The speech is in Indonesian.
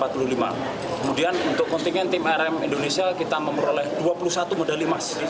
kemudian untuk kontingen tim rm indonesia kita memperoleh dua puluh satu medali emas